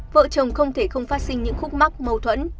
vợ chồng không thể không phát sinh những khúc mắc mâu thuẫn